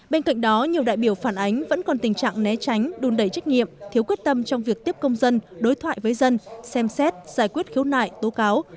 bên cạnh đó nhiều đại biểu phản ánh vẫn còn tình trạng né tránh đun đẩy trách nhiệm thiếu quyết tâm trong việc tiếp công dân đối thoại với dân xem xét giải quyết khiếu nại tố cáo